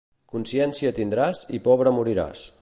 Consciència tindràs i pobre moriràs.